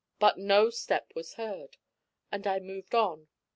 But no step was heard, and I moved on.